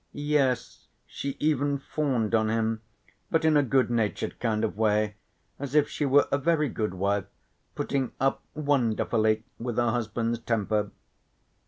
Yes, she even fawned on him, but in a good natured kind of way, as if she were a very good wife putting up wonderfully with her husband's temper.